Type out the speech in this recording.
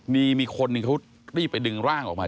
มีคนหนึ่งเขารีบไปดึงร่างออกมา